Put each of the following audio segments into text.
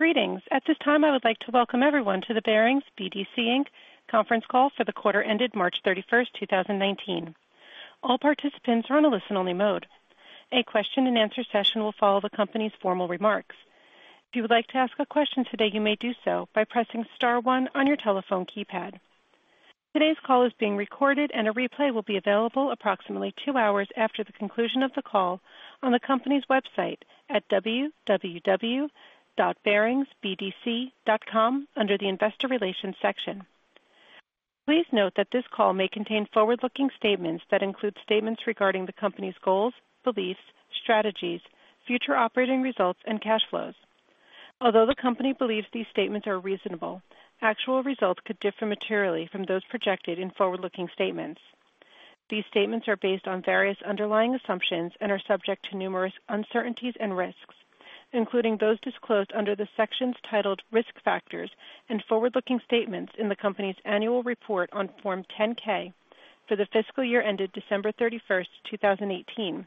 Greetings. At this time, I would like to welcome everyone to the Barings BDC, Inc. conference call for the quarter ended March 31, 2019. All participants are on a listen-only mode. A question and answer session will follow the company's formal remarks. If you would like to ask a question today, you may do so by pressing star one on your telephone keypad. Today's call is being recorded, and a replay will be available approximately two hours after the conclusion of the call on the company's website at www.baringsbdc.com under the investor relations section. Please note that this call may contain forward-looking statements that include statements regarding the company's goals, beliefs, strategies, future operating results, and cash flows. Although the company believes these statements are reasonable, actual results could differ materially from those projected in forward-looking statements. These statements are based on various underlying assumptions and are subject to numerous uncertainties and risks, including those disclosed under the sections titled Risk Factors and Forward-Looking Statements in the company's annual report on Form 10-K for the fiscal year ended December 31, 2018,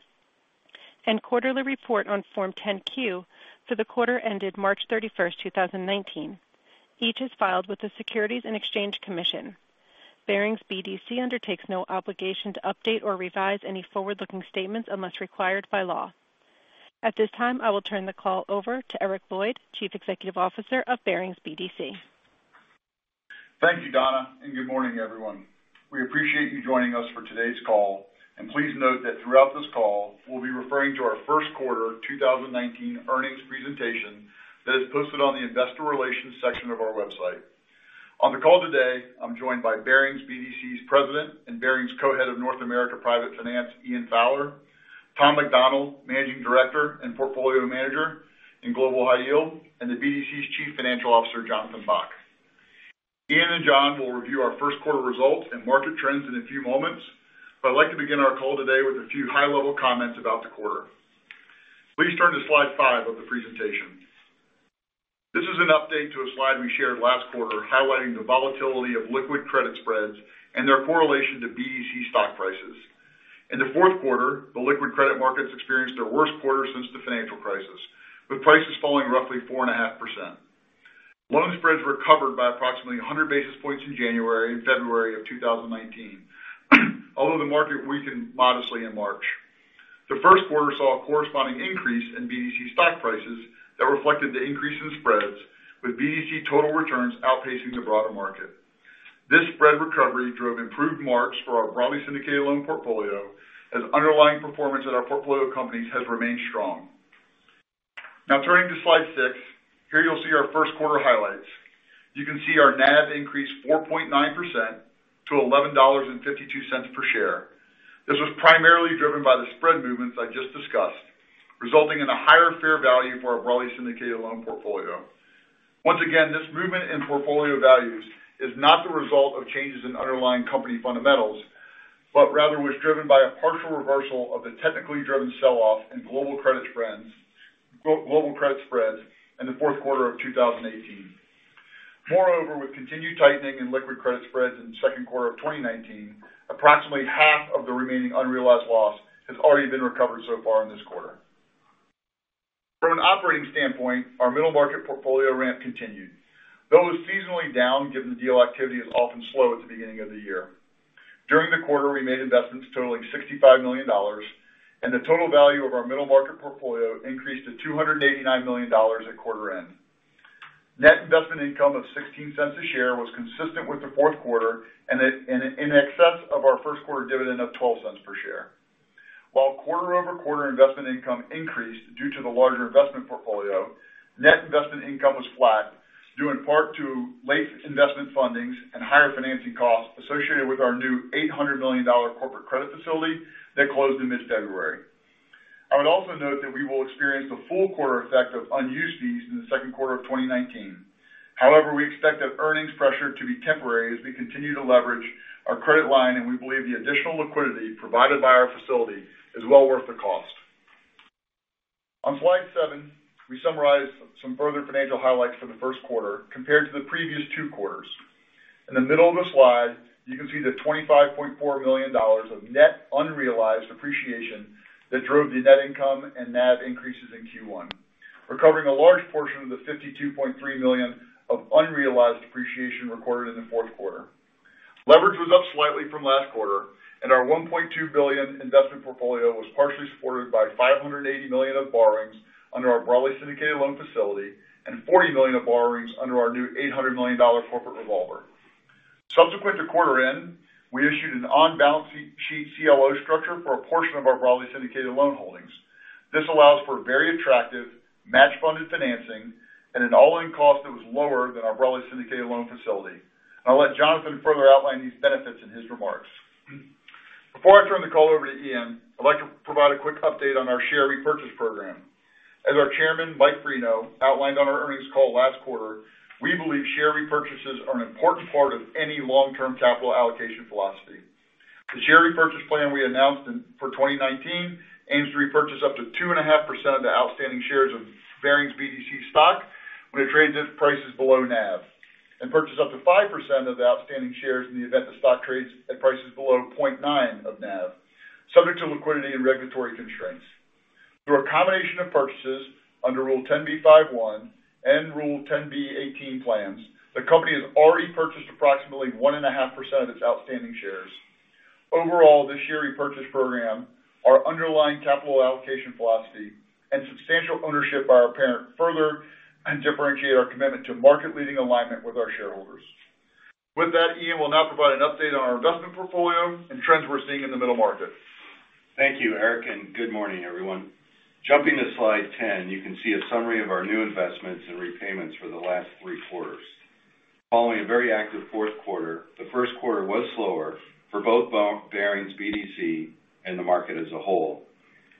and quarterly report on Form 10-Q for the quarter ended March 31, 2019. Each is filed with the Securities and Exchange Commission. Barings BDC undertakes no obligation to update or revise any forward-looking statements unless required by law. At this time, I will turn the call over to Eric Lloyd, Chief Executive Officer of Barings BDC. Thank you, Donna, and good morning, everyone. We appreciate you joining us for today's call, and please note that throughout this call, we'll be referring to our first quarter 2019 earnings presentation that is posted on the investor relations section of our website. On the call today, I'm joined by Barings BDC's President and Barings Co-head of North America Private Finance, Ian Fowler, Thomas McDonnell, Managing Director and Portfolio Manager in Global High Yield, and the BDC's Chief Financial Officer, Jonathan Bock. Ian and John will review our first quarter results and market trends in a few moments, but I'd like to begin our call today with a few high-level comments about the quarter. Please turn to slide five of the presentation. This is an update to a slide we shared last quarter highlighting the volatility of liquid credit spreads and their correlation to BDC stock prices. In the fourth quarter, the liquid credit markets experienced their worst quarter since the financial crisis, with prices falling roughly 4.5%. Loan spreads recovered by approximately 100 basis points in January and February of 2019. Although the market weakened modestly in March. The first quarter saw a corresponding increase in BDC stock prices that reflected the increase in spreads, with BDC total returns outpacing the broader market. This spread recovery drove improved marks for our broadly syndicated loan portfolio as underlying performance at our portfolio companies has remained strong. Now turning to slide six. Here you'll see our first quarter highlights. You can see our NAV increased 4.9% to $11.52 per share. This was primarily driven by the spread movements I just discussed, resulting in a higher fair value for our broadly syndicated loan portfolio. Once again, this movement in portfolio values is not the result of changes in underlying company fundamentals, but rather was driven by a partial reversal of the technically driven sell-off in global credit spreads in the fourth quarter of 2018. Moreover, with continued tightening in liquid credit spreads in the second quarter of 2019, approximately half of the remaining unrealized loss has already been recovered so far in this quarter. From an operating standpoint, our middle market portfolio ramp continued. Though it was seasonally down, given the deal activity is often slow at the beginning of the year. During the quarter, we made investments totaling $65 million, and the total value of our middle market portfolio increased to $289 million at quarter end. Net investment income of $0.16 a share was consistent with the fourth quarter and in excess of our first quarter dividend of $0.12 per share. While quarter-over-quarter investment income increased due to the larger investment portfolio, net investment income was flat, due in part to late investment fundings and higher financing costs associated with our new $800 million corporate credit facility that closed in mid-February. I would also note that we will experience the full quarter effect of unused fees in the second quarter of 2019. We expect that earnings pressure to be temporary as we continue to leverage our credit line, and we believe the additional liquidity provided by our facility is well worth the cost. On slide seven, we summarize some further financial highlights for the first quarter compared to the previous two quarters. In the middle of the slide, you can see the $25.4 million of net unrealized appreciation that drove the net income and NAV increases in Q1, recovering a large portion of the $52.3 million of unrealized appreciation recorded in the fourth quarter. Leverage was up slightly from last quarter, and our $1.2 billion investment portfolio was partially supported by $580 million of borrowings under our broadly syndicated loan facility and $40 million of borrowings under our new $800 million corporate revolver. Subsequent to quarter end, we issued an on-balance sheet CLO structure for a portion of our broadly syndicated loan holdings. This allows for very attractive match-funded financing at an all-in cost that was lower than our broadly syndicated loan facility. I'll let Jonathan further outline these benefits in his remarks. Before I turn the call over to Ian, I'd like to provide a quick update on our share repurchase program. As our chairman, Michael Freno, outlined on our earnings call last quarter, we believe share repurchases are an important part of any long-term capital allocation philosophy. The share repurchase plan we announced for 2019 aims to repurchase up to 2.5% of the outstanding shares of Barings BDC stock when it trades at prices below NAV and purchase up to 5% of the outstanding shares in the event the stock trades at prices below 0.9 of NAV, subject to liquidity and regulatory constraints. Through a combination of purchases under Rule 10b5-1 and Rule 10b-18 plans, the company has already purchased approximately 1.5% of its outstanding shares. Overall, this share repurchase program, our underlying capital allocation philosophy, and substantial ownership by our parent further differentiate our commitment to market-leading alignment with our shareholders. With that, Ian will now provide an update on our investment portfolio and trends we're seeing in the middle market. Thank you, Eric, good morning, everyone. Jumping to slide 10, you can see a summary of our new investments and repayments for the last three quarters. Following a very active fourth quarter, the first quarter was slower for both Barings BDC and the market as a whole,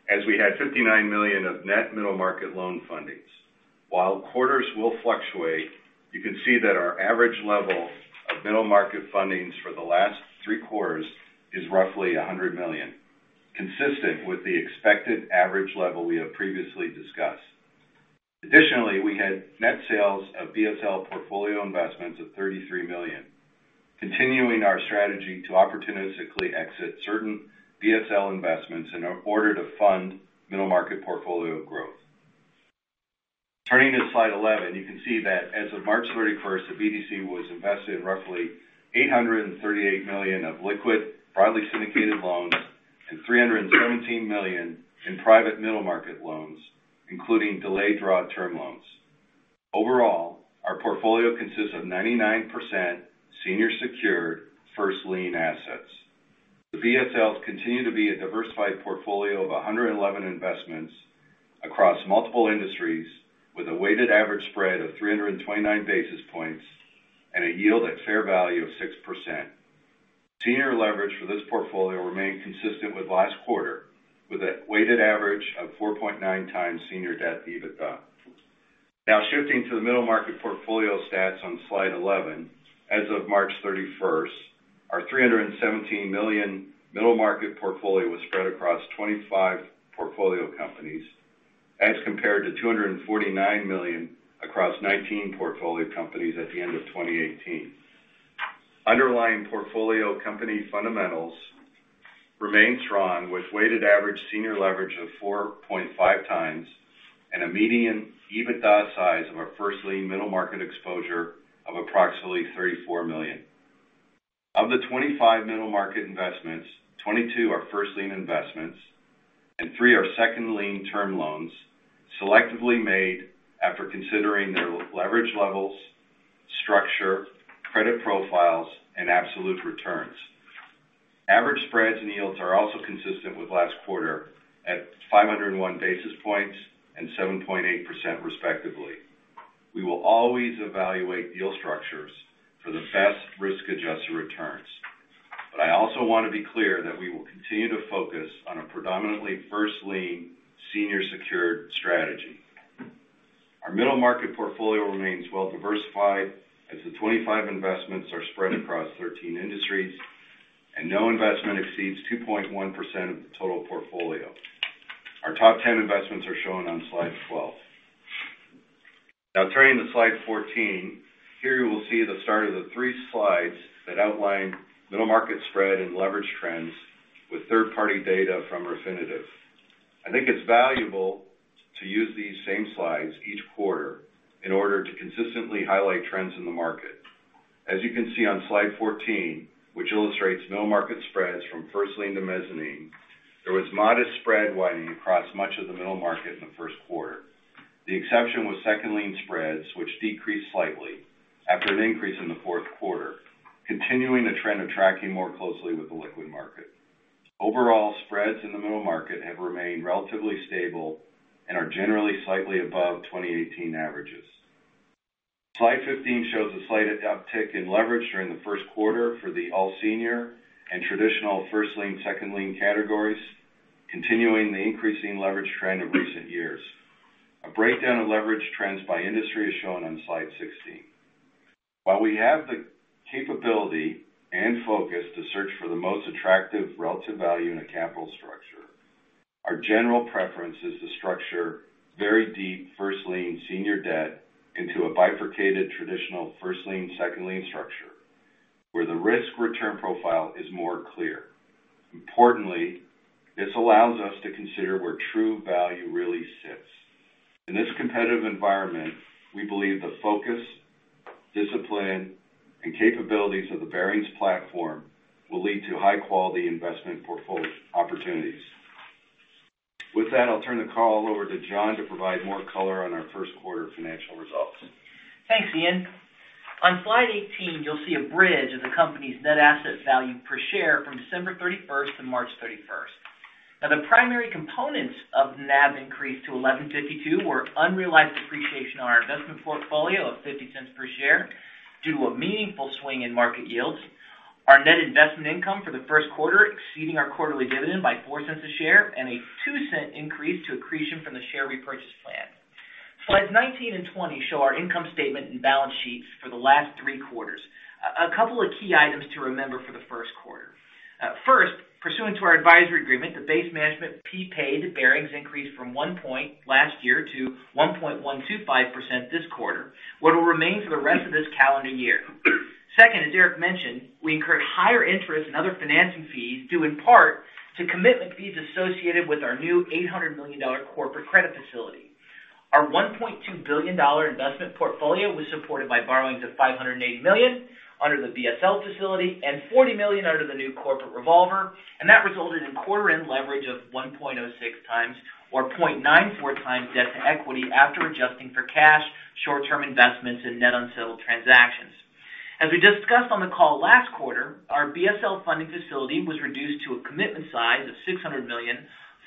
as we had $59 million of net middle market loan fundings. While quarters will fluctuate, you can see that our average level of middle market fundings for the last three quarters is roughly $100 million, consistent with the expected average level we have previously discussed. Additionally, we had net sales of BSL portfolio investments of $33 million, continuing our strategy to opportunistically exit certain BSL investments in order to fund middle market portfolio growth. Turning to slide 11, you can see that as of March 31st, the BDC was invested in roughly $838 million of liquid broadly syndicated loans and $317 million in private middle market loans, including delayed draw term loans. Overall, our portfolio consists of 99% senior secured first-lien assets. The BSLs continue to be a diversified portfolio of 111 investments across multiple industries with a weighted average spread of 329 basis points and a yield at fair value of 6%. Senior leverage for this portfolio remained consistent with last quarter, with a weighted average of 4.9 times senior debt EBITDA. Now shifting to the middle market portfolio stats on slide 11. As of March 31st, our $317 million middle market portfolio was spread across 25 portfolio companies as compared to $249 million across 19 portfolio companies at the end of 2018. Underlying portfolio company fundamentals remain strong with weighted average senior leverage of 4.5 times and a median EBITDA size of our first-lien middle market exposure of approximately $34 million. Of the 25 middle market investments, 22 are first-lien investments and three are second-lien term loans selectively made after considering their leverage levels, structure, credit profiles, and absolute returns. Average spreads and yields are also consistent with last quarter at 501 basis points and 7.8%, respectively. We will always evaluate deal structures for the best risk-adjusted returns. I also want to be clear that we will continue to focus on a predominantly first-lien, senior secured strategy. Our middle market portfolio remains well-diversified as the 25 investments are spread across 13 industries, and no investment exceeds 2.1% of the total portfolio. Our top 10 investments are shown on slide 12. Here you will see the start of the three slides that outline middle market spread and leverage trends with third-party data from Refinitiv. I think it is valuable to use these same slides each quarter in order to consistently highlight trends in the market. As you can see on slide 14, which illustrates middle market spreads from first lien to mezzanine, there was modest spread widening across much of the middle market in the first quarter. The exception was second lien spreads, which decreased slightly after an increase in the fourth quarter, continuing a trend of tracking more closely with the liquid market. Overall, spreads in the middle market have remained relatively stable and are generally slightly above 2018 averages. Slide 15 shows a slight uptick in leverage during the first quarter for the all senior and traditional first lien, second lien categories, continuing the increasing leverage trend of recent years. A breakdown of leverage trends by industry is shown on slide 16. While we have the capability and focus to search for the most attractive relative value in a capital structure, our general preference is to structure very deep first lien senior debt into a bifurcated traditional first lien, second lien structure where the risk-return profile is more clear. Importantly, this allows us to consider where true value really sits. In this competitive environment, we believe the focus, discipline, and capabilities of the Barings platform will lead to high-quality investment portfolio opportunities. With that, I will turn the call over to John to provide more color on our first quarter financial results. Thanks, Ian. On slide 18, you will see a bridge of the company's net asset value per share from December 31st to March 31st. The primary components of NAV increase to $11.52 were unrealized depreciation on our investment portfolio of $0.50 per share due to a meaningful swing in market yields. Our net investment income for the first quarter exceeding our quarterly dividend by $0.04 a share, and a $0.02 increase to accretion from the share repurchase plan. Slides 19 and 20 show our income statement and balance sheets for the last three quarters. A couple of key items to remember for the first quarter. First, pursuant to our advisory agreement, the base management fee paid to Barings increased from 1% last year to 1.125% this quarter. What will remain for the rest of this calendar year. Second, as Eric mentioned, we incurred higher interest and other financing fees, due in part to commitment fees associated with our new $800 million corporate credit facility. Our $1.2 billion investment portfolio was supported by borrowings of $580 million under the BSL facility and $40 million under the new corporate revolver, and that resulted in quarter-end leverage of 1.06 times or 0.94 times debt-to-equity after adjusting for cash, short-term investments, and net unsettled transactions. As we discussed on the call last quarter, our BSL funding facility was reduced to a commitment size of $600 million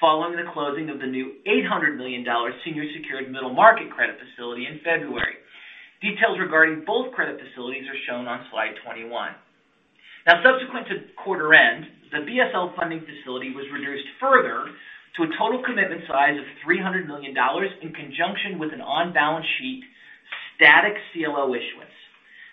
following the closing of the new $800 million senior secured middle market credit facility in February. Details regarding both credit facilities are shown on slide 21. Subsequent to quarter end, the BSL funding facility was reduced further to a total commitment size of $300 million in conjunction with an on-balance-sheet static CLO issuance.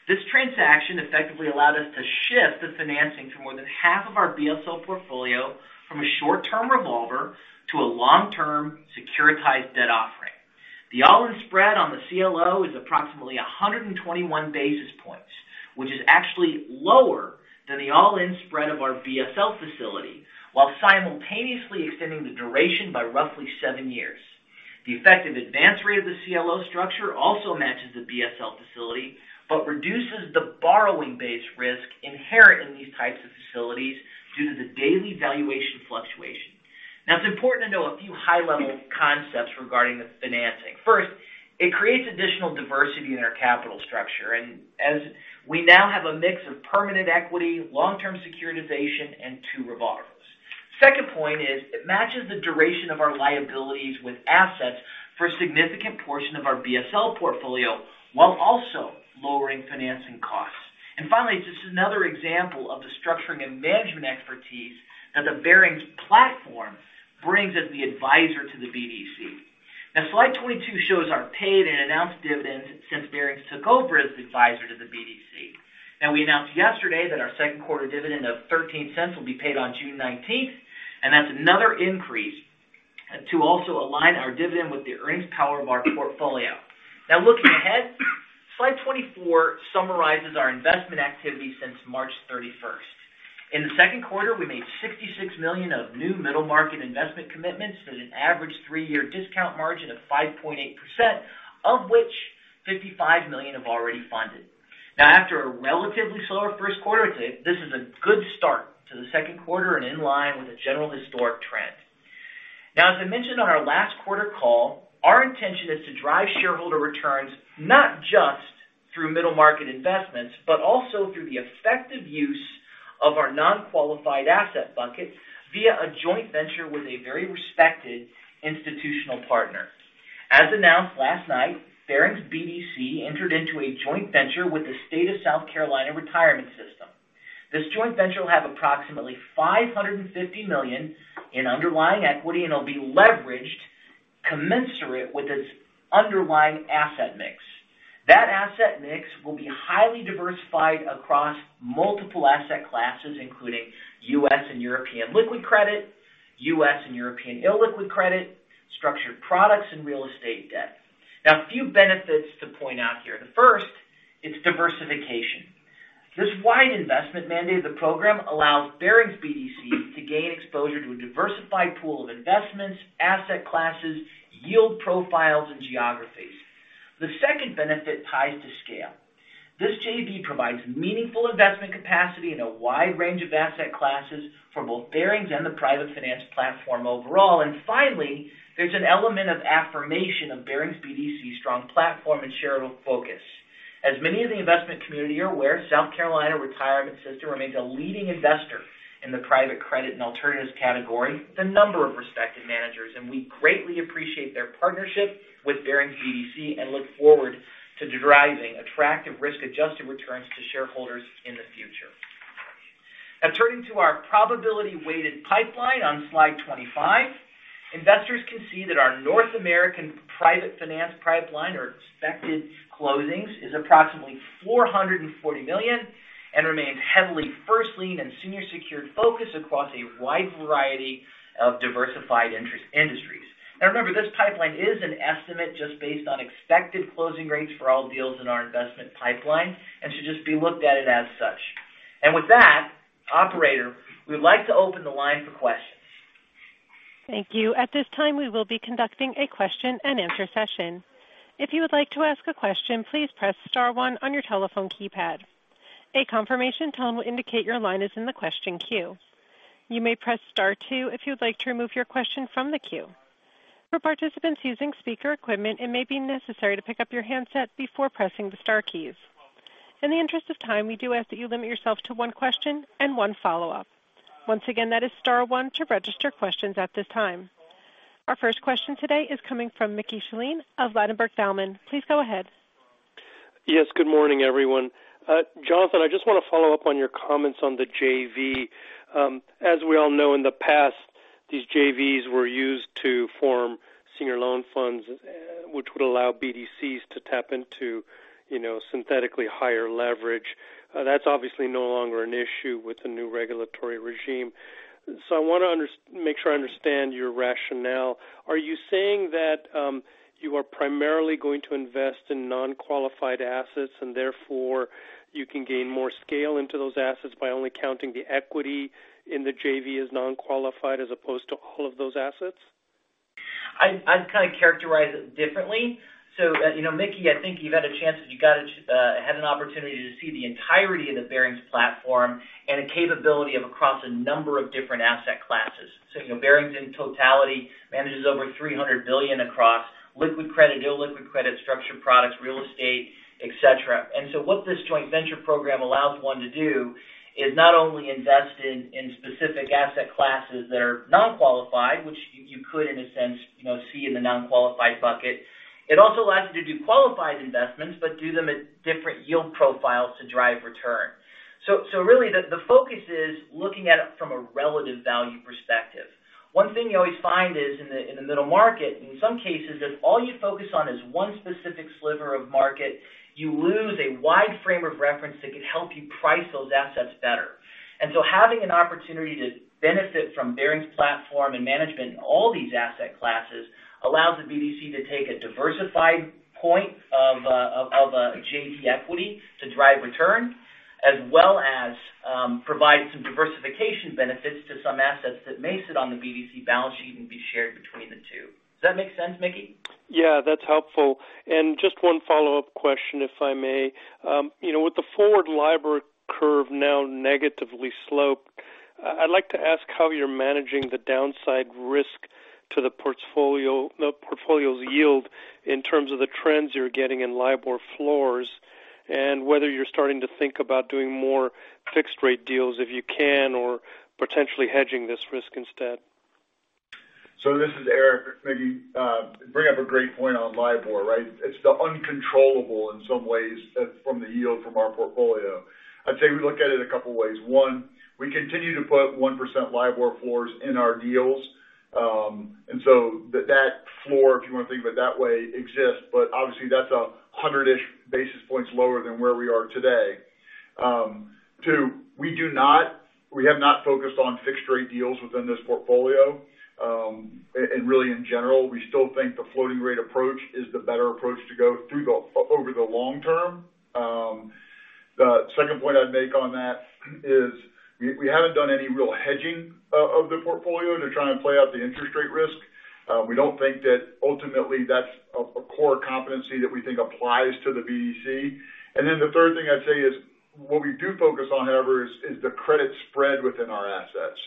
This transaction effectively allowed us to shift the financing for more than half of our BSL portfolio from a short-term revolver to a long-term securitized debt offering. The all-in spread on the CLO is approximately 121 basis points, which is actually lower than the all-in spread of our BSL facility while simultaneously extending the duration by roughly seven years. The effective advance rate of the CLO structure also matches the BSL facility but reduces the borrowing-based risk inherent in these types of facilities due to the daily valuation fluctuation. It is important to know a few high-level concepts regarding the financing. First, it creates additional diversity in our capital structure, as we now have a mix of permanent equity, long-term securitization, and two revolvers. Second point is it matches the duration of our liabilities with assets for a significant portion of our BSL portfolio while also lowering financing costs. Finally, just another example of the structuring and management expertise that the Barings platform brings as the advisor to the BDC. Slide 22 shows our paid and announced dividends since Barings took over as advisor to the BDC. We announced yesterday that our second quarter dividend of $0.13 will be paid on June 19th, and that is another increase to also align our dividend with the earnings power of our portfolio. Looking ahead, slide 24 summarizes our investment activity since March 31st. In the second quarter, we made $66 million of new middle market investment commitments at an average three-year discount margin of 5.8%, of which $55 million have already funded. After a relatively slower first quarter, this is a good start to the second quarter and in line with the general historic trend. As I mentioned on our last quarter call, our intention is to drive shareholder returns not just through middle market investments, but also through the effective use of our non-qualified asset bucket via a joint venture with a very respected institutional partner. As announced last night, Barings BDC entered into a joint venture with the State of South Carolina Retirement System. This joint venture will have approximately $550 million in underlying equity and will be leveraged commensurate with its underlying asset mix. That asset mix will be highly diversified across multiple asset classes, including U.S. and European liquid credit, U.S. and European illiquid credit, structured products, and real estate debt. A few benefits to point out here. The first, it is diversification. This wide investment mandate of the program allows Barings BDC to gain exposure to a diversified pool of investments, asset classes, yield profiles, and geographies. The second benefit ties to scale. This JV provides meaningful investment capacity in a wide range of asset classes for both Barings and the private finance platform overall. Finally, there is an element of affirmation of Barings BDC's strong platform and shareholder focus. As many in the investment community are aware, South Carolina Retirement System remains a leading investor in the private credit and alternatives category with a number of respected managers, and we greatly appreciate their partnership with Barings BDC and look forward to driving attractive risk-adjusted returns to shareholders in the future. Turning to our probability-weighted pipeline on slide 25. Investors can see that our North American private finance pipeline, or expected closings, is approximately $440 million and remains heavily first lien and senior secured focus across a wide variety of diversified industries. Remember, this pipeline is an estimate just based on expected closing rates for all deals in our investment pipeline and should just be looked at as such. With that, operator, we'd like to open the line for questions. Thank you. At this time, we will be conducting a question-and-answer session. If you would like to ask a question, please press star one on your telephone keypad. A confirmation tone will indicate your line is in the question queue. You may press star two if you would like to remove your question from the queue. For participants using speaker equipment, it may be necessary to pick up your handset before pressing the star keys. In the interest of time, we do ask that you limit yourself to one question and one follow-up. Once again, that is star one to register questions at this time. Our first question today is coming from Mickey Schleien of Ladenburg Thalmann. Please go ahead. Yes. Good morning, everyone. Jonathan, I just want to follow up on your comments on the JV. As we all know, in the past, these JVs were used to form senior loan funds, which would allow BDCs to tap into synthetically higher leverage. That's obviously no longer an issue with the new regulatory regime. I want to make sure I understand your rationale. Are you saying that you are primarily going to invest in non-qualified assets, therefore you can gain more scale into those assets by only counting the equity in the JV as non-qualified as opposed to all of those assets? I'd characterize it differently. Mickey, I think you've had a chance to have an opportunity to see the entirety of the Barings platform and the capability of across a number of different asset classes. Barings in totality manages over $300 billion across liquid credit, illiquid credit, structured products, real estate, et cetera. What this joint venture program allows one to do is not only invest in specific asset classes that are non-qualified, which you could, in a sense, see in the non-qualified bucket. It also allows you to do qualified investments, but do them at different yield profiles to drive return. Really the focus is looking at it from a relative value perspective. One thing you always find is in the middle market, in some cases, if all you focus on is one specific sliver of market, you lose a wide frame of reference that could help you price those assets better. Having an opportunity to benefit from Barings platform and management in all these asset classes allows the BDC to take a diversified point of a JV equity to drive return, as well as provide some diversification benefits to some assets that may sit on the BDC balance sheet and be shared between the two. Does that make sense, Mickey? Yeah, that's helpful. Just one follow-up question, if I may. With the forward LIBOR curve now negatively sloped, I'd like to ask how you're managing the downside risk to the portfolio's yield in terms of the trends you're getting in LIBOR floors, whether you're starting to think about doing more fixed rate deals if you can, or potentially hedging this risk instead. This is Eric. Mickey, you bring up a great point on LIBOR, right? It's the uncontrollable in some ways from the yield from our portfolio. I'd say we look at it a couple ways. One, we continue to put 1% LIBOR floors in our deals. That floor, if you want to think of it that way, exists. But obviously that's 100-ish basis points lower than where we are today. Two, we have not focused on fixed rate deals within this portfolio. Really, in general, we still think the floating rate approach is the better approach to go over the long term. The second point I'd make on that is we haven't done any real hedging of the portfolio to try and play out the interest rate risk. We don't think that ultimately that's a core competency that we think applies to the BDC. The third thing I'd say is what we do focus on, however, is the credit spread within our assets.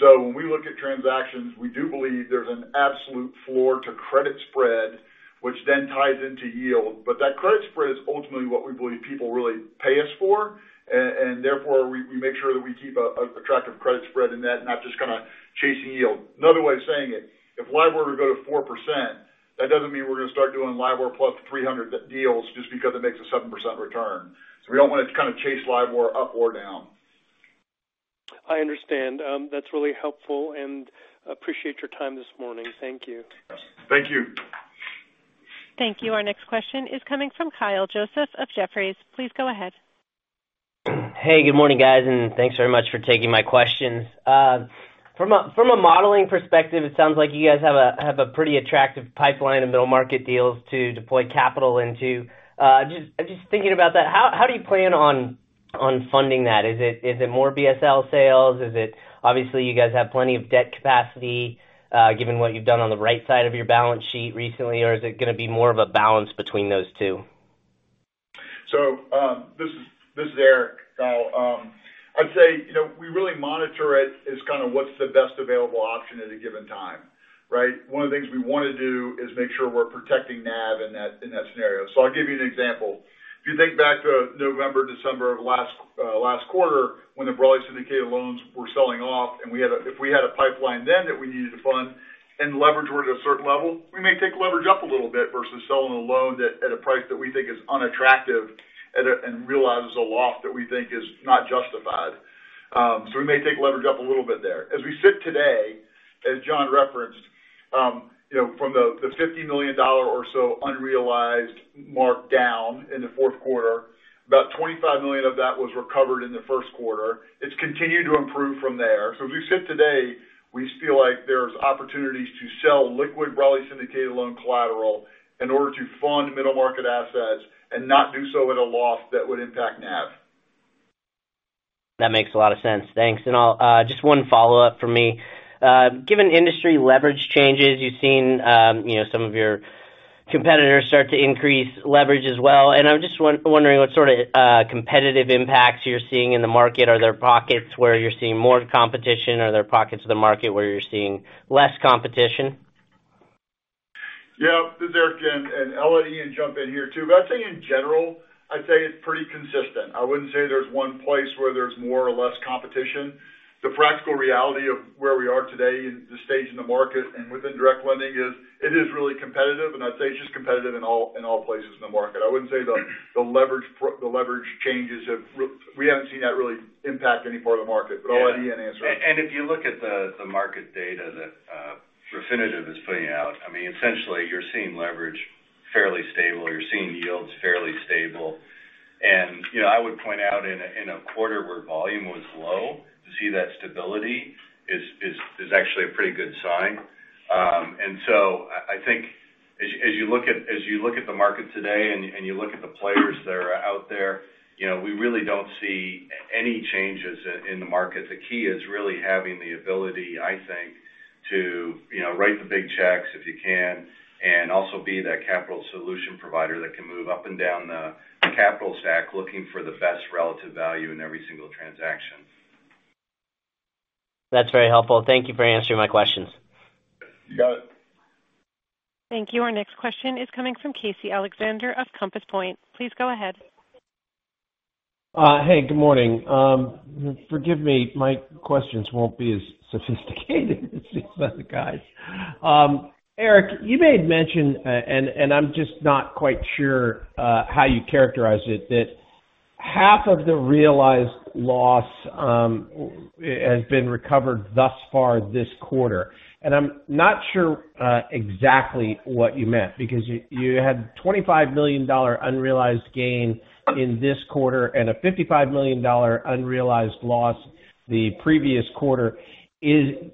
When we look at transactions, we do believe there's an absolute floor to credit spread, which then ties into yield. That credit spread is ultimately what we believe people really pay us for, and therefore, we make sure that we keep an attractive credit spread in that, not just kind of chasing yield. Another way of saying it, if LIBOR were to go to 4%, that doesn't mean we're going to start doing LIBOR plus 300 deals just because it makes a 7% return. We don't want to kind of chase LIBOR up or down. I understand. That's really helpful. Appreciate your time this morning. Thank you. Thank you. Thank you. Our next question is coming from Kyle Joseph of Jefferies. Please go ahead. Hey, good morning, guys. Thanks very much for taking my questions. From a modeling perspective, it sounds like you guys have a pretty attractive pipeline of middle market deals to deploy capital into. Just thinking about that, how do you plan on funding that? Is it more BSL sales? Obviously, you guys have plenty of debt capacity, given what you've done on the rate side of your balance sheet recently, or is it going to be more of a balance between those two? This is Eric, Kyle. I'd say we really monitor it as kind of what's the best available option at a given time, right? One of the things we want to do is make sure we're protecting NAV in that scenario. I'll give you an example. If you think back to November, December of last quarter when the Broadly Syndicated Loans were selling off, and if we had a pipeline then that we needed to fund and leverage were at a certain level, we may take leverage up a little bit versus selling a loan at a price that we think is unattractive and realizes a loss that we think is not justified. We may take leverage up a little bit there. As we sit today, as John referenced, from the $50 million or so unrealized markdown in the fourth quarter, about $25 million of that was recovered in the first quarter. It's continued to improve from there. As we sit today, we feel like there's opportunities to sell liquid Broadly Syndicated Loan collateral in order to fund middle market assets and not do so at a loss that would impact NAV. That makes a lot of sense. Thanks. Just one follow-up from me. Given industry leverage changes, you've seen some of your competitors start to increase leverage as well. I'm just wondering what sort of competitive impacts you're seeing in the market. Are there pockets where you're seeing more competition? Are there pockets of the market where you're seeing less competition? Yeah. This is Eric. I'll let Ian jump in here, too. I'd say in general, I'd say it's pretty consistent. I wouldn't say there's one place where there's more or less competition. The practical reality of where we are today in the stage in the market and within direct lending is it is really competitive. I'd say it's just competitive in all places in the market. I wouldn't say the leverage changes, we haven't seen that really impact any part of the market. I'll let Ian answer. If you look at the market data that Refinitiv is putting out, essentially you're seeing leverage fairly stable, or you're seeing yields fairly stable. I would point out in a quarter where volume was low to see that stability is actually a pretty good sign. I think. As you look at the market today and you look at the players that are out there, we really don't see any changes in the market. The key is really having the ability, I think, to write the big checks if you can, and also be that capital solution provider that can move up and down the capital stack, looking for the best relative value in every single transaction. That's very helpful. Thank you for answering my questions. You got it. Thank you. Our next question is coming from Casey Alexander of Compass Point. Please go ahead. Hey, good morning. Forgive me, my questions won't be as sophisticated as these other guys. Eric, you made mention, I'm just not quite sure how you characterize it, that half of the realized loss has been recovered thus far this quarter. I'm not sure exactly what you meant because you had $25 million unrealized gain in this quarter and a $55 million unrealized loss the previous quarter.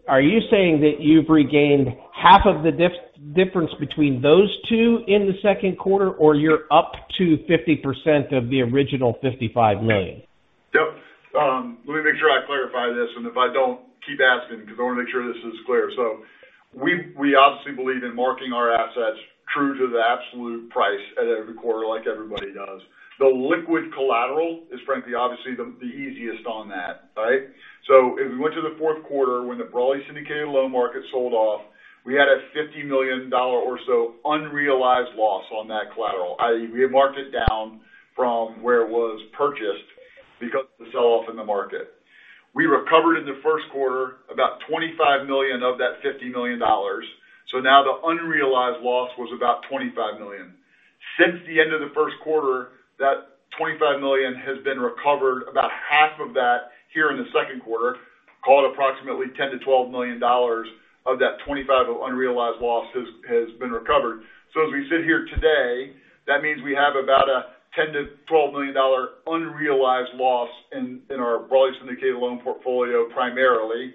Are you saying that you've regained half of the difference between those two in the second quarter, or you're up to 50% of the original $55 million? Yep. Let me make sure I clarify this, and if I don't, keep asking because I want to make sure this is clear. We obviously believe in marking our assets true to the absolute price at every quarter like everybody does. The liquid collateral is frankly, obviously the easiest on that, right? If we went to the fourth quarter when the broadly syndicated loan market sold off, we had a $50 million or so unrealized loss on that collateral. We had marked it down from where it was purchased because of the sell-off in the market. We recovered in the first quarter about $25 million of that $550 million. Now the unrealized loss was about $25 million. Since the end of the first quarter, that $25 million has been recovered, about half of that here in the second quarter, call it approximately $10 million to $12 million of that $25 of unrealized loss has been recovered. As we sit here today, that means we have about a $10 million to $12 million unrealized loss in our broadly syndicated loan portfolio, primarily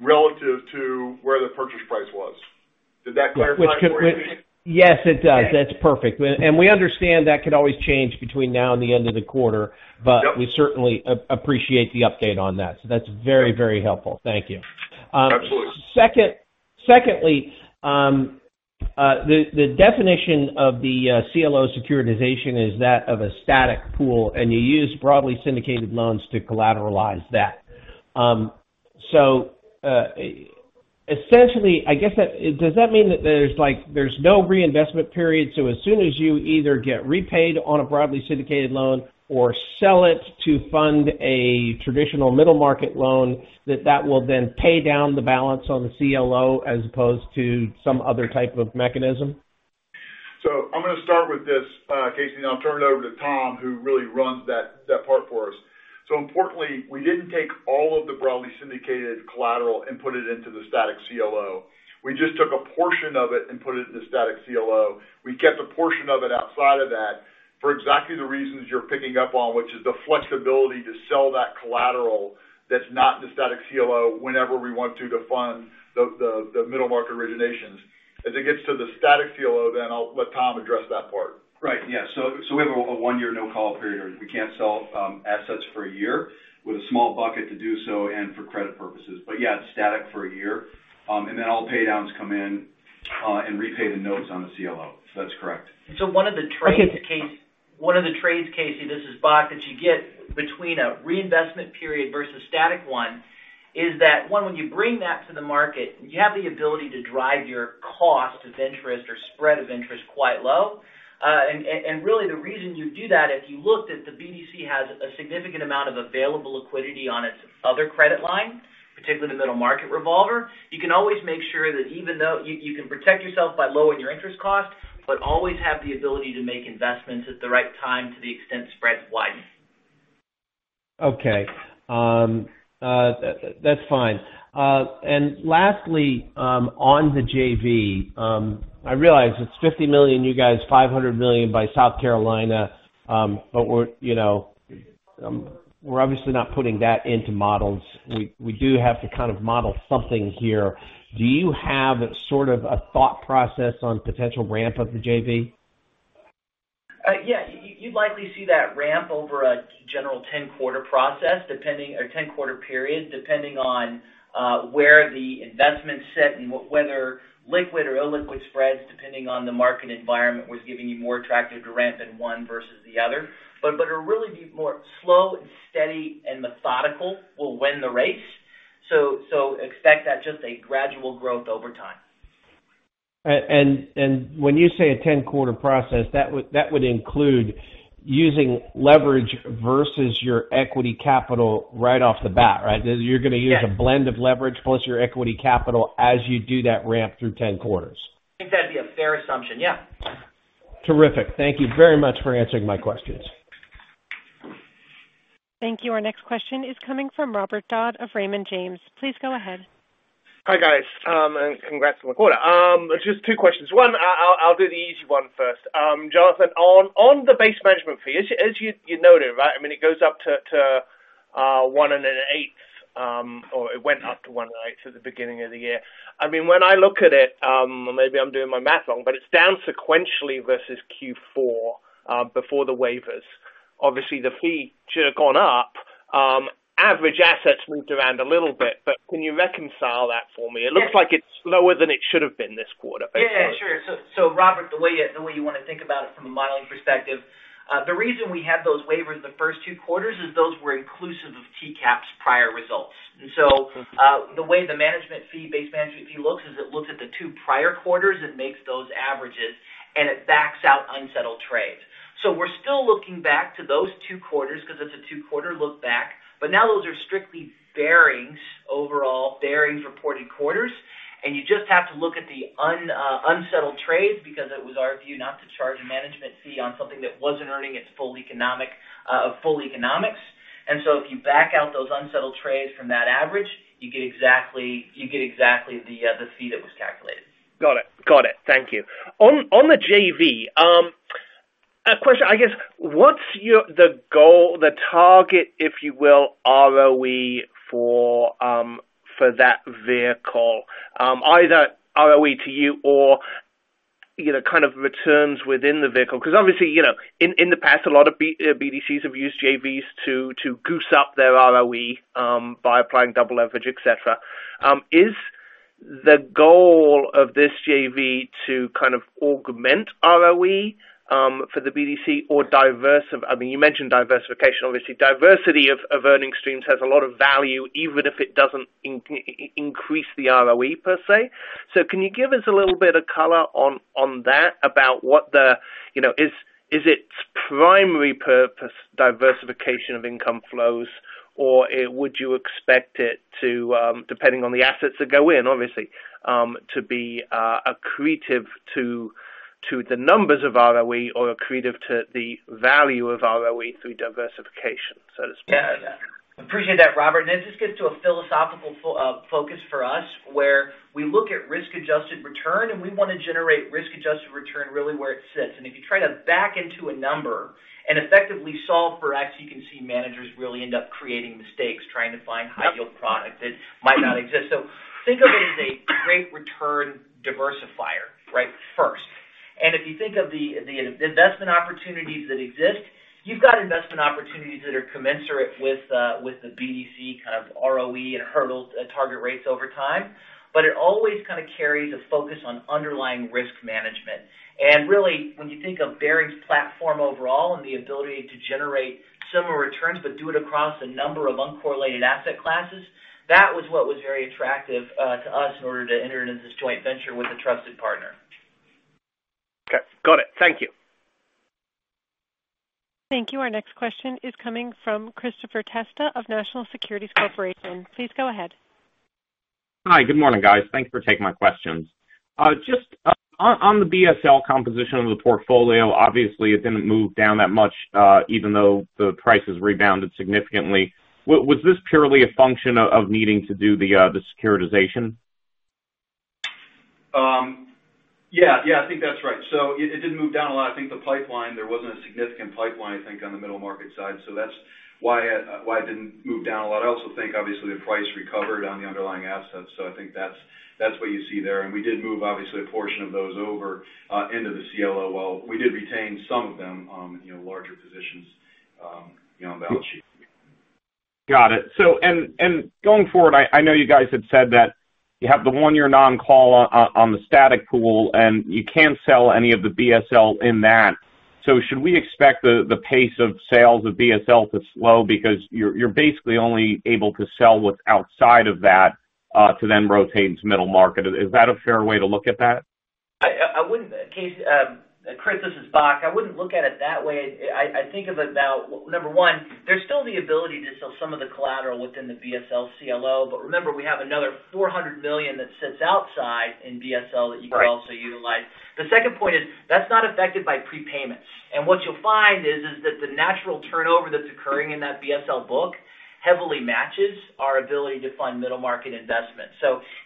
relative to where the purchase price was. Did that clarify it for you, Casey? Yes, it does. That's perfect. We understand that could always change between now and the end of the quarter. Yep. We certainly appreciate the update on that. That's very helpful. Thank you. Absolutely. Secondly, the definition of the CLO securitization is that of a static pool, and you use broadly syndicated loans to collateralize that. Essentially, I guess, does that mean that there's no reinvestment period, so as soon as you either get repaid on a broadly syndicated loan or sell it to fund a traditional middle market loan, that that will then pay down the balance on the CLO as opposed to some other type of mechanism? I'm going to start with this, Casey, and I'll turn it over to Tom, who really runs that part for us. Importantly, we didn't take all of the broadly syndicated collateral and put it into the static CLO. We just took a portion of it and put it in the static CLO. We kept a portion of it outside of that for exactly the reasons you're picking up on, which is the flexibility to sell that collateral that's not in the static CLO whenever we want to fund the middle market originations. As it gets to the static CLO, then I'll let Tom address that part. We have a 1-year no-call period. We can't sell assets for a year with a small bucket to do so and for credit purposes. Yeah, it's static for a year. All paydowns come in and repay the notes on the CLO. That's correct. One of the trades, Casey, this is Jonathan Bock, that you get between a reinvestment period versus static 1 is that, 1, when you bring that to the market, you have the ability to drive your cost of interest or spread of interest quite low. The reason you do that, if you looked at the BDC has a significant amount of available liquidity on its other credit line, particularly the middle market revolver. You can always make sure that you can protect yourself by lowering your interest cost, but always have the ability to make investments at the right time to the extent spreads widen. Okay. That's fine. Lastly, on the JV, I realize it's $50 million, you guys, $500 million by South Carolina. We're obviously not putting that into models. We do have to kind of model something here. Do you have sort of a thought process on potential ramp of the JV? Yeah, you'd likely see that ramp over a general 10-quarter process, or 10-quarter period, depending on where the investments sit and whether liquid or illiquid spreads, depending on the market environment, was giving you more attractive to ramp in 1 versus the other. It'll really be more slow and steady and methodical will win the race. Expect that just a gradual growth over time. When you say a 10-quarter process, that would include using leverage versus your equity capital right off the bat, right? Yes a blend of leverage plus your equity capital as you do that ramp through 10 quarters. I think that'd be a fair assumption, yeah. Terrific. Thank you very much for answering my questions. Thank you. Our next question is coming from Robert Dodd of Raymond James. Please go ahead. Hi, guys, congrats on the quarter. Just two questions. One, I'll do the easy one first. Jonathan, on the base management fee, as you noted, right, I mean, it goes up to 1.8 at the beginning of the year. When I look at it, maybe I'm doing my math wrong, it's down sequentially versus Q4, before the waivers. Obviously, the fee should have gone up. Average assets moved around a little bit, can you reconcile that for me? It looks like it's lower than it should've been this quarter. Yeah. Sure. Robert, the way you want to think about it from a modeling perspective, the reason we have those waivers the first two quarters is those were inclusive of TCAP's prior results. Okay. The way the base management fee looks is it looks at the two prior quarters and makes those averages, and it backs out unsettled trades. We're still looking back to those two quarters, because it's a two-quarter look back. Now those are strictly Barings' overall reported quarters. You just have to look at the unsettled trades because it was our view not to charge a management fee on something that wasn't earning its full economics. If you back out those unsettled trades from that average, you get exactly the fee that was calculated. Got it. Thank you. On the JV, a question, I guess. What's the target, if you will, ROE for that vehicle? Either ROE to you or kind of returns within the vehicle. Obviously, in the past, a lot of BDCs have used JVs to goose up their ROE by applying double leverage, et cetera. Is the goal of this JV to kind of augment ROE for the BDC or diversification? You mentioned diversification. Obviously, diversity of earning streams has a lot of value, even if it doesn't increase the ROE per se. Can you give us a little bit of color on that about its primary purpose, diversification of income flows? Or would you expect it to, depending on the assets that go in, obviously, to be accretive to the numbers of ROE or accretive to the value of ROE through diversification, so to speak? Yeah. Appreciate that, Robert. It just gets to a philosophical focus for us, where we look at risk-adjusted return, and we want to generate risk-adjusted return really where it sits. If you try to back into a number and effectively solve for X, you can see managers really end up creating mistakes trying to find high-yield product that might not exist. Think of it as a great return diversifier, first. If you think of the investment opportunities that exist, you've got investment opportunities that are commensurate with the BDC kind of ROE and hurdles and target rates over time. It always kind of carries a focus on underlying risk management. Really, when you think of Barings' platform overall and the ability to generate similar returns, but do it across a number of uncorrelated asset classes, that was what was very attractive to us in order to enter into this joint venture with a trusted partner. Okay. Got it. Thank you. Thank you. Our next question is coming from Christopher Testa of National Securities Corporation. Please go ahead. Hi. Good morning, guys. Thanks for taking my questions. Just on the BSL composition of the portfolio, obviously, it didn't move down that much, even though the price has rebounded significantly. Was this purely a function of needing to do the securitization? Yeah. I think that's right. It didn't move down a lot. I think the pipeline, there wasn't a significant pipeline, I think, on the middle market side. That's why it didn't move down a lot. I also think obviously the price recovered on the underlying assets. I think that's what you see there. We did move, obviously, a portion of those over into the CLO, while we did retain some of them, larger positions on the balance sheet. Got it. Going forward, I know you guys had said that you have the one-year non-call on the static pool, and you can't sell any of the BSL in that. Should we expect the pace of sales of BSL to slow because you're basically only able to sell what's outside of that to then rotate into middle market? Is that a fair way to look at that? Chris, this is Bach. I wouldn't look at it that way. I think of it now, number one, there's still the ability to sell some of the collateral within the BSL CLO. Remember, we have another $400 million that sits outside in BSL that you could also utilize. The second point is that's not affected by prepayments. What you'll find is that the natural turnover that's occurring in that BSL book heavily matches our ability to fund middle market investments.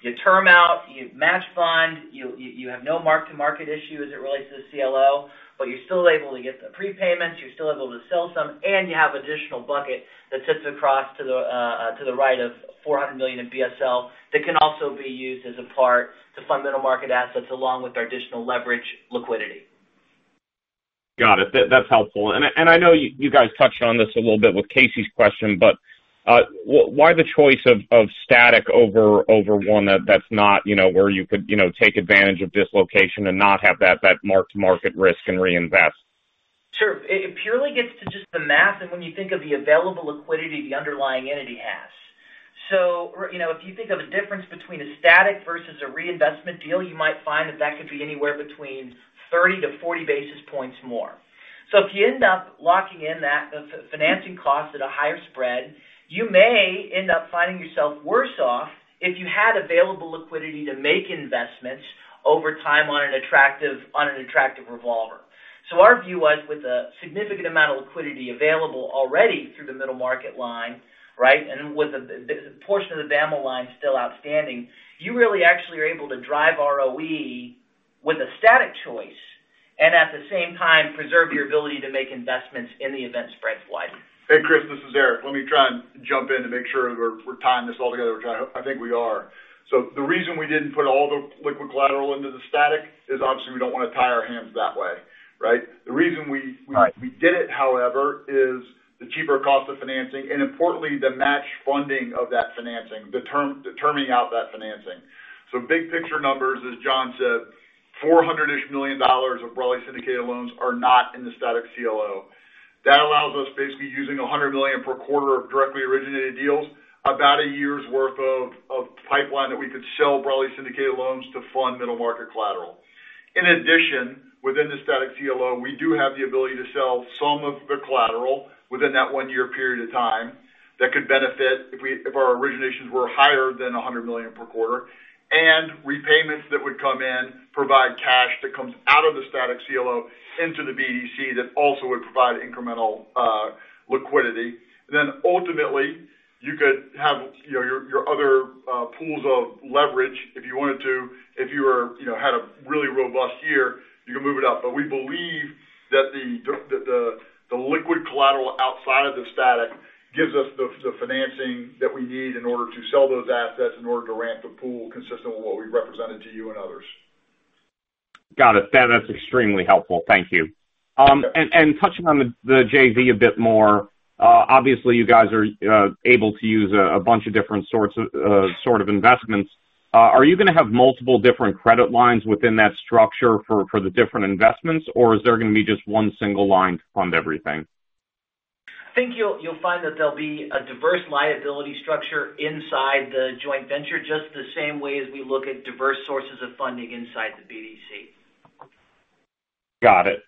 You term out, you match fund, you have no mark-to-market issue as it relates to the CLO, but you're still able to get the prepayments, you're still able to sell some, and you have additional bucket that sits across to the right of $400 million in BSL that can also be used as a part to fund middle market assets along with our additional leverage liquidity. Got it. That's helpful. I know you guys touched on this a little bit with Casey's question, why the choice of static over one that's not where you could take advantage of dislocation and not have that mark-to-market risk and reinvest? Sure. It purely gets to just the math and when you think of the available liquidity the underlying entity has. If you think of a difference between a static versus a reinvestment deal, you might find that that could be anywhere between 30 to 40 basis points more. If you end up locking in that financing cost at a higher spread, you may end up finding yourself worse off if you had available liquidity to make investments over time on an attractive revolver. Our view was with a significant amount of liquidity available already through the middle market line, and with a portion of the BSL line still outstanding, you really actually are able to drive ROE with a static choice, and at the same time, preserve your ability to make investments in the event spreads widen. Hey, Chris, this is Eric. Let me try and jump in to make sure we're tying this all together, which I think we are. The reason we didn't put all the liquid collateral into the static is obviously we don't want to tie our hands that way, right? The reason we. Right We did it, however, is the cheaper cost of financing and importantly, the match funding of that financing, determining out that financing. Big picture numbers, as John said, $400-ish million of Broadly Syndicated Loans are not in the static CLO. That allows us basically using $100 million per quarter of directly originated deals, about a 1-year worth of pipeline that we could sell Broadly Syndicated Loans to fund middle market collateral. In addition, within the static CLO, we do have the ability to sell some of the collateral within that 1-year period of time that could benefit if our originations were higher than $100 million per quarter, and repayments that would come in provide cash that comes out of the static CLO into the BDC that also would provide incremental liquidity. Ultimately, you could have your other pools of leverage if you wanted to. If you had a really robust year, you can move it up. We believe that the liquid collateral outside of the static gives us the financing that we need in order to sell those assets in order to ramp the pool consistent with what we've represented to you and others. Got it. That's extremely helpful. Thank you. Okay. Touching on the JV a bit more, obviously, you guys are able to use a bunch of different sort of investments. Are you going to have multiple different credit lines within that structure for the different investments? Or is there going to be just one single line to fund everything? I think you'll find that there'll be a diverse liability structure inside the joint venture, just the same way as we look at diverse sources of funding inside the BDC. Got it.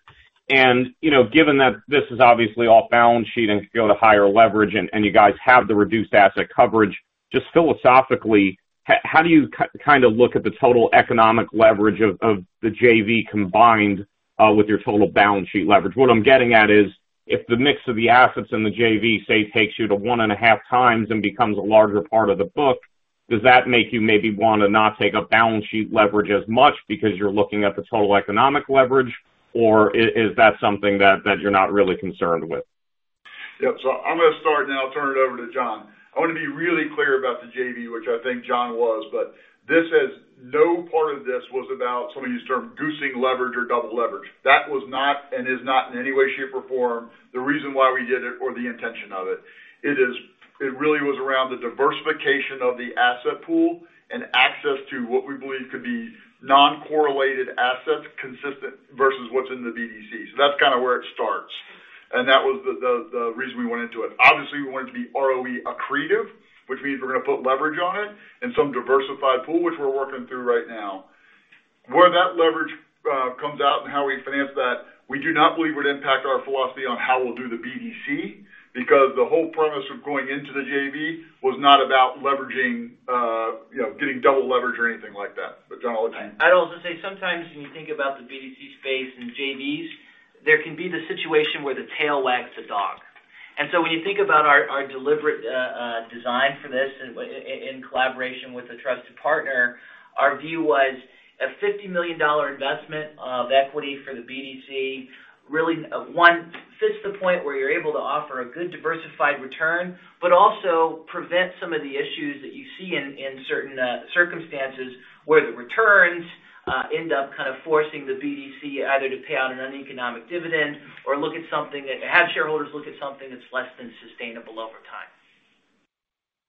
Given that this is obviously off balance sheet and can go to higher leverage and you guys have the reduced asset coverage, just philosophically, how do you kind of look at the total economic leverage of the JV combined with your total balance sheet leverage? What I'm getting at is, if the mix of the assets in the JV, say, takes you to one and a half times and becomes a larger part of the book, does that make you maybe want to not take up balance sheet leverage as much because you're looking at the total economic leverage, or is that something that you're not really concerned with? Yeah. I'm going to start and then I'll turn it over to John. I want to be really clear about the JV, which I think John was, but no part of this was about some of you termed goosing leverage or double leverage. That was not and is not in any way, shape, or form the reason why we did it or the intention of it. It really was around the diversification of the asset pool and access to what we believe to be non-correlated assets consistent versus what's in the BDC. That's kind of where it starts, and that was the reason we went into it. Obviously, we want it to be ROE accretive, which means we're going to put leverage on it in some diversified pool, which we're working through right now. Where that leverage comes out and how we finance that, we do not believe would impact our philosophy on how we'll do the BDC because the whole premise of going into the JV was not about getting double leverage or anything like that. John, I'll let you. I'd also say sometimes when you think about the BDC space and JVs, there can be the situation where the tail wags the dog. When you think about our deliberate design for this in collaboration with a trusted partner, our view was a $50 million investment of equity for the BDC really, 1, fits the point where you're able to offer a good diversified return, but also prevent some of the issues that you see in certain circumstances where the returns end up kind of forcing the BDC either to pay out an uneconomic dividend or have shareholders look at something that's less than sustainable over time.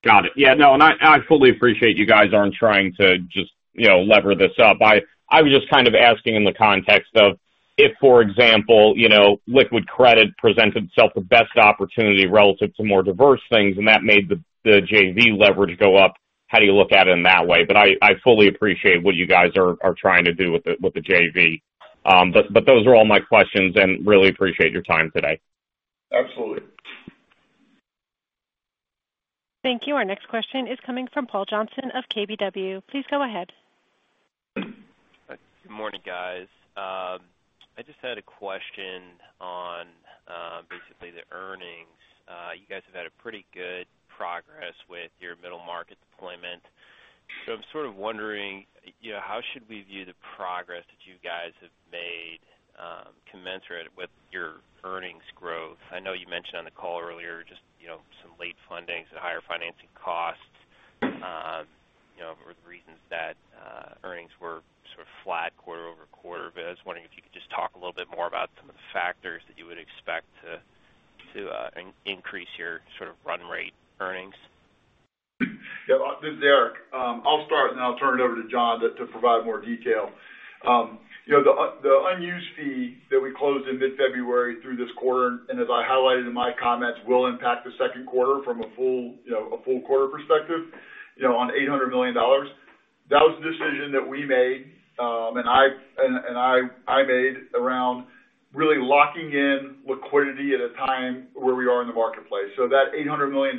Got it. Yeah. No, I fully appreciate you guys aren't trying to just lever this up. I was just kind of asking in the context of if, for example, liquid credit presents itself the best opportunity relative to more diverse things, and that made the JV leverage go up. How do you look at it in that way? I fully appreciate what you guys are trying to do with the JV. Those are all my questions, and really appreciate your time today. Absolutely. Thank you. Our next question is coming from Paul Johnson of KBW. Please go ahead. Good morning, guys. I just had a question on basically the earnings. You guys have had a pretty good progress with your middle market deployment. I'm sort of wondering how should we view the progress that you guys have made commensurate with your earnings growth? I know you mentioned on the call earlier just some late fundings and higher financing costs were the reasons that earnings were sort of flat quarter-over-quarter. I was wondering if you could just talk a little bit more about some of the factors that you would expect to increase your sort of run rate earnings. Yeah. This is Eric. I'll start, and then I'll turn it over to John to provide more detail. The unused fee that we closed in mid-February through this quarter, and as I highlighted in my comments, will impact the second quarter from a full quarter perspective on $800 million. That $800 million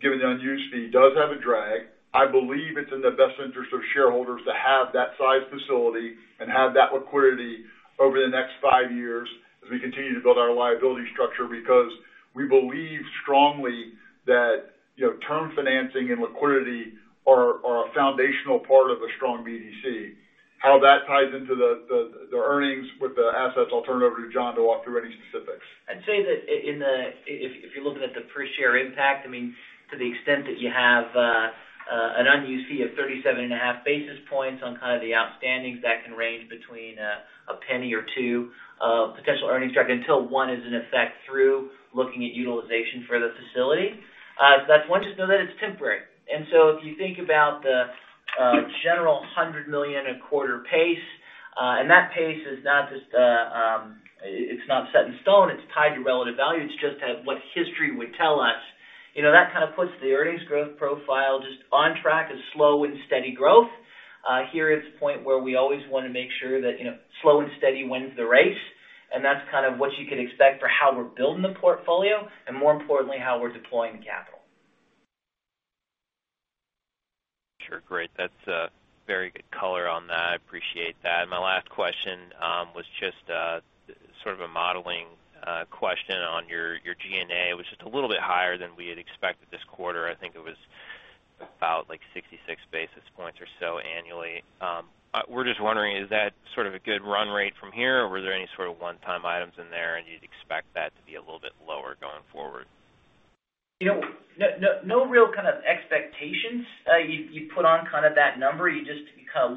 given the unused fee does have a drag. I believe it's in the best interest of shareholders to have that size facility and have that liquidity over the next five years as we continue to build our liability structure because we believe strongly that term financing and liquidity are a foundational part of a strong BDC. How that ties into the earnings with the assets, I'll turn it over to John to walk through any specifics. I'd say that if you're looking at the per share impact, to the extent that you have an unused fee of 37.5 basis points on the outstandings, that can range between $0.01 or $0.02 of potential earnings drag until one is in effect through looking at utilization for the facility. That's one, just know that it's temporary. If you think about the general $100 million a quarter pace, and that pace, it's not set in stone, it's tied to relative value. It's just what history would tell us. That kind of puts the earnings growth profile just on track as slow and steady growth. Here is the point where we always want to make sure that slow and steady wins the race, and that's kind of what you can expect for how we're building the portfolio and more importantly, how we're deploying the capital. Sure. Great. That's a very good color on that. I appreciate that. My last question was just sort of a modeling question on your G&A, which is a little bit higher than we had expected this quarter. I think it was about 66 basis points or so annually. We're just wondering, is that sort of a good run rate from here, or were there any sort of one-time items in there, and you'd expect that to be a little bit lower going forward? No real kind of expectations. You put on that number. You just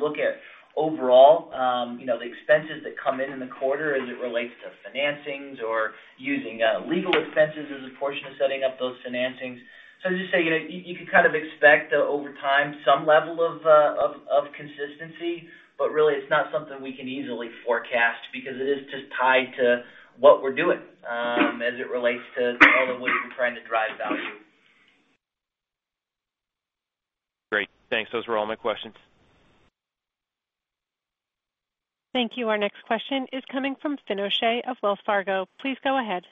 look at overall the expenses that come in in the quarter as it relates to financings or using legal expenses as a portion of setting up those financings. Just so you know, you could kind of expect over time some level of consistency, but really it's not something we can easily forecast because it is just tied to what we're doing as it relates to all the ways we're trying to drive value. Great. Thanks. Those were all my questions. Thank you. Our next question is coming from Finianianianian O'Shea of Wells Fargo. Please go ahead.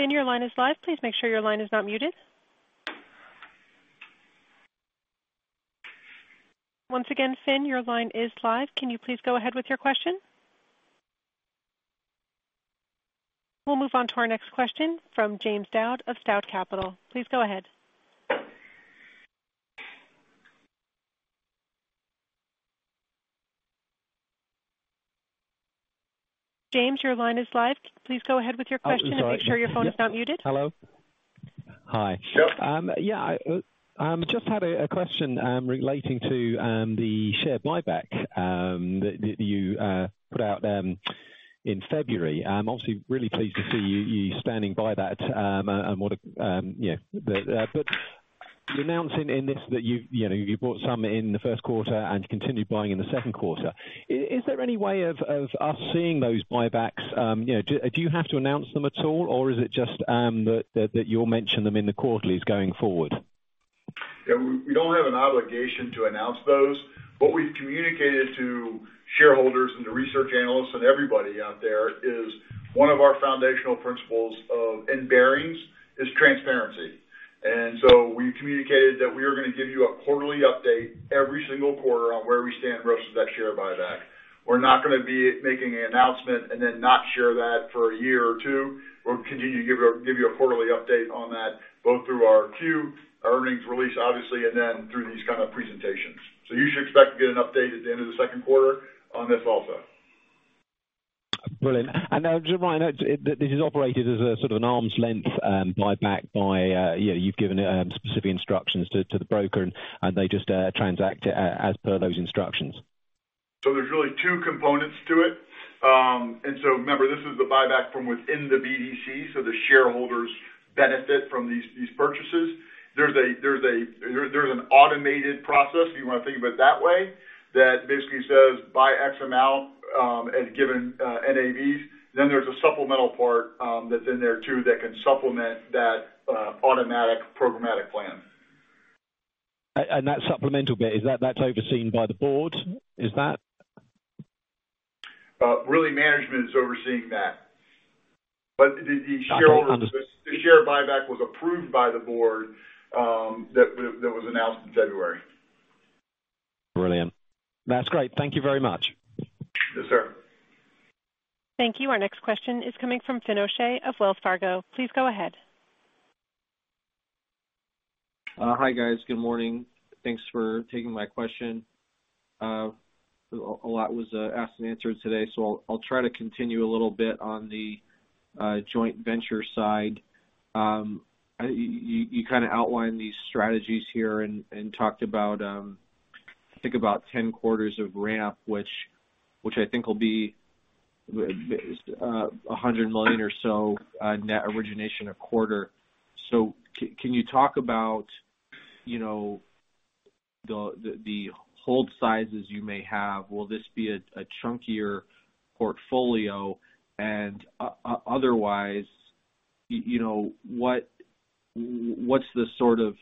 Finianianianian, your line is live. Please make sure your line is not muted. Once again, Finianianianian, your line is live. Can you please go ahead with your question? We'll move on to our next question from James Dowd of Stout Capital. Please go ahead. James, your line is live. Please go ahead with your question. Oh, sorry Make sure your phone is not muted. Hello? Hi. Yep. Yeah, I just had a question relating to the share buyback that you put out in February. I'm obviously really pleased to see you standing by that. You're announcing in this that you bought some in the first quarter and continued buying in the second quarter. Is there any way of us seeing those buybacks? Do you have to announce them at all, or is it just that you'll mention them in the quarterlies going forward? Yeah. We don't have an obligation to announce those. What we've communicated to shareholders and to research analysts and everybody out there is one of our foundational principles in Barings is transparency. We communicated that we are going to give you a quarterly update every single quarter on where we stand versus that share buyback. We're not going to be making an announcement and then not share that for a year or two. We'll continue to give you a quarterly update on that, both through our Q, our earnings release, obviously, and then through these kind of presentations. You should expect to get an update at the end of the second quarter on this also. Brilliant. Just so I know, this is operated as a sort of an arm's length buyback. You've given specific instructions to the broker, they just transact it as per those instructions. There's really two components to it. Remember, this is the buyback from within the BDC, so the shareholders benefit from these purchases. There's an automated process, if you want to think of it that way, that basically says buy X amount at given NAVs. There's a supplemental part that's in there too that can supplement that automatic programmatic plan. That supplemental bit, that's overseen by the board? Really management is overseeing that. I don't under- The share buyback was approved by the board that was announced in February. Brilliant. That's great. Thank you very much. Yes, sir. Thank you. Our next question is coming from Finian O'Shea of Wells Fargo. Please go ahead. Hi, guys. Good morning. Thanks for taking my question. A lot was asked and answered today, I'll try to continue a little bit on the joint venture side. You kind of outlined these strategies here and talked about, I think about 10 quarters of ramp, which I think will be $100 million or so net origination a quarter. Can you talk about the hold sizes you may have? Will this be a chunkier portfolio? Otherwise, what's the sort of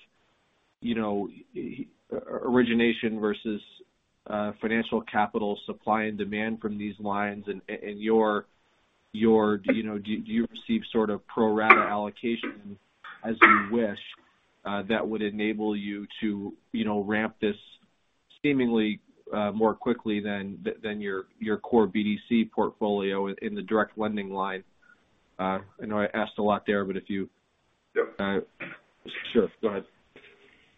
origination versus financial capital supply and demand from these lines, and do you receive sort of pro rata allocation as you wish that would enable you to ramp this seemingly more quickly than your core BDC portfolio in the direct lending line. I know I asked a lot there. Yep. Sure, go ahead.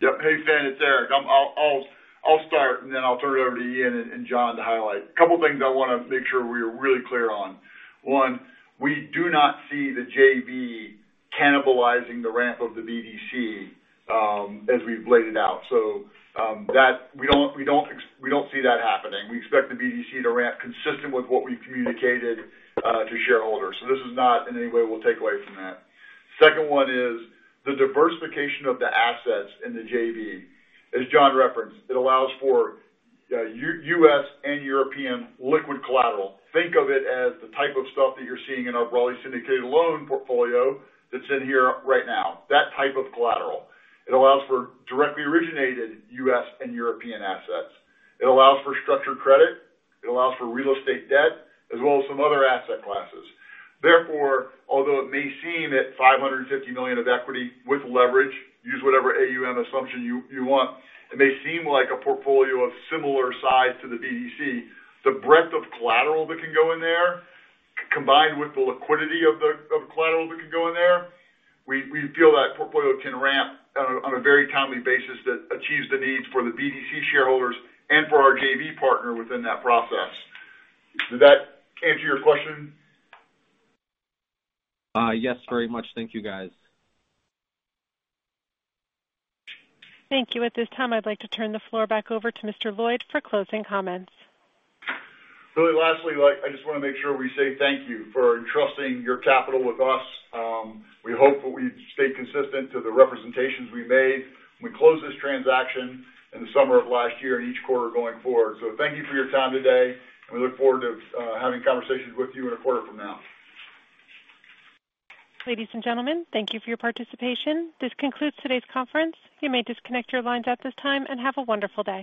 Yep. Hey, Finian, it's Eric. I'll start, and then I'll turn it over to Ian and John to highlight. A couple things I want to make sure we are really clear on. One, we do not see the JV cannibalizing the ramp of the BDC as we've laid it out. We don't see that happening. We expect the BDC to ramp consistent with what we communicated to shareholders. This is not in any way will take away from that. Second one is the diversification of the assets in the JV. As John referenced, it allows for U.S. and European liquid collateral. Think of it as the type of stuff that you're seeing in our broadly syndicated loan portfolio that's in here right now. That type of collateral. It allows for directly originated U.S. and European assets. It allows for structured credit. It allows for real estate debt as well as some other asset classes. Although it may seem that $550 million of equity with leverage, use whatever AUM assumption you want, it may seem like a portfolio of similar size to the BDC. The breadth of collateral that can go in there, combined with the liquidity of the collateral that can go in there, we feel that portfolio can ramp on a very timely basis that achieves the needs for the BDC shareholders and for our JV partner within that process. Did that answer your question? Yes, very much. Thank you, guys. Thank you. At this time, I'd like to turn the floor back over to Mr. Lloyd for closing comments. Lastly, I just want to make sure we say thank you for entrusting your capital with us. We hope that we've stayed consistent to the representations we made when we closed this transaction in the summer of last year and each quarter going forward. Thank you for your time today, and we look forward to having conversations with you in a quarter from now. Ladies and gentlemen, thank you for your participation. This concludes today's conference. You may disconnect your lines at this time, and have a wonderful day.